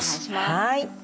はい。